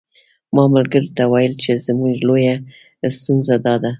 ما ملګرو ته ویل چې زموږ لویه ستونزه داده.